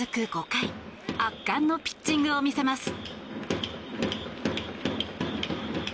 ５回圧巻のピッチングを見せます。